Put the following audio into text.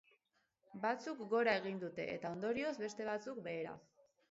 Batzuk gora egin dute, eta ondorioz, beste batzuk behera.